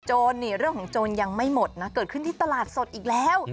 เรื่องของโจรยังไม่หมดนะเกิดขึ้นที่ตลาดสดอีกแล้ว